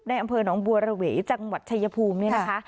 อำเภอหนองบัวระเวจังหวัดชายภูมิเนี่ยนะคะ